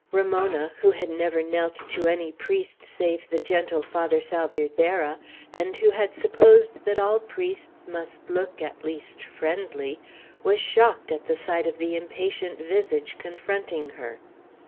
Ramona, who had never knelt to any priest save the gentle Father Salvierderra, and who had supposed that all priests must look, at least, friendly, was shocked at the sight of the impatient visage confronting her.